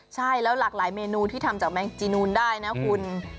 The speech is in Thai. ใช่แล้วหลากหลายเมนูที่ทำจากแมงจีนูนได้นะคุณ